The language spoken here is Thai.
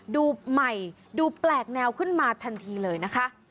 ดูใหม่ดูแปลกแนวขึ้นมาทันทีเลยนะคะ